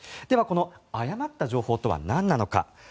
では、この誤った情報とは何なのか。